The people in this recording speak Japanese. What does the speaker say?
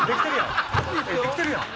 できてるやん！